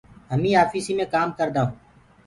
همينٚ آڦيِسي مي ڪآم ڪردآ هونٚ